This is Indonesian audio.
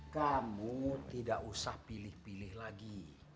kamu tidak usah pilih pilih lagi